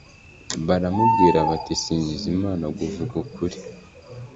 baramubwira bati singiza imanag uvuga ukuri